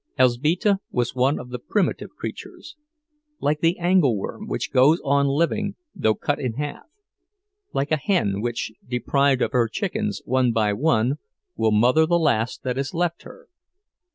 Elzbieta was one of the primitive creatures: like the angleworm, which goes on living though cut in half; like a hen, which, deprived of her chickens one by one, will mother the last that is left her.